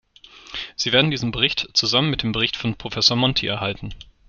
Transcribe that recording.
Sie werden diesen Bericht zusammen mit dem Bericht von Professor Monti erhalten.